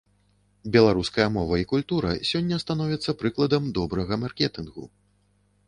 Беларуская мова і культура сёння становяцца прыкладам добрага маркетынгу.